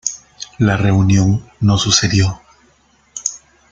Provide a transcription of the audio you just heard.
La reunión no sucedió.